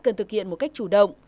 cần thực hiện một cách chủ động